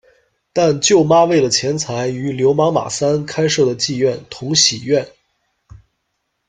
但舅妈为了钱财，与流氓马三开设的妓院“同喜院”。